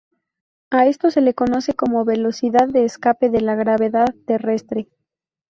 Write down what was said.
A esto se le conoce como velocidad de escape de la gravedad terrestre.